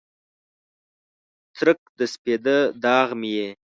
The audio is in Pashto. څرک د سپیده داغ مې یې